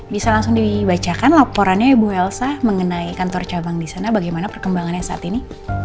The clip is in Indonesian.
bisa langsung dibacakan laporannya ibu elsa mengenai kantor cabang di sana bagaimana perkembangannya saat ini